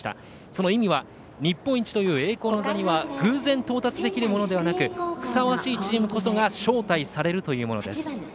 その意味は日本一という栄光の座には偶然到達できるものではなくふさわしいチームこそが招待されるというものです。